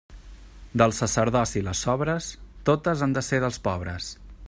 Del sacerdoci les sobres, totes han de ser dels pobres.